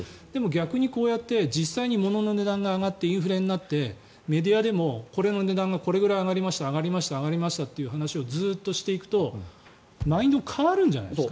逆にこうやって実際に物の値段が上がってメディアでもこれの値段がこれぐらい上がりましたという話をずっとしていくとマインド変わるんじゃないですか？